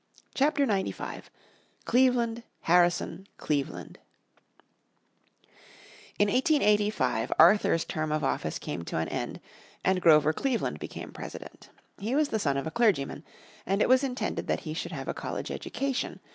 __________ Chapter 95 Cleveland Harrison Cleveland In 1885 Arthur's term of office came to an end, and Grover Cleveland became President. He was the son of a clergyman, and it was intended that he should have a college education.